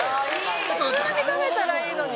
普通に食べたらいいのに。